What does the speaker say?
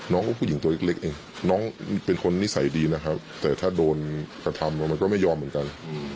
น้องเป็นคนนิสัยดีนะครับแต่ถ้าโดนการทำก็ไม่ยอมเหมือนกัน